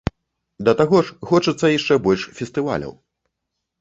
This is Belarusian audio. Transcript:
Да таго ж, хочацца яшчэ больш фестываляў.